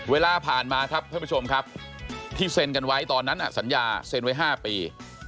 เวลาผ่านมาครับท่านผู้ชมครับที่เซ็นกันไว้ตอนนั้นสัญญาเซ็นไว้๕ปี